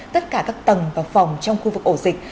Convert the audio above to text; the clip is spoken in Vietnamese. tất cả các tầng và phòng trong khu vực ổ dịch